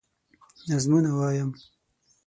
نظمونه وايم